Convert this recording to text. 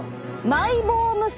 マイボーム腺！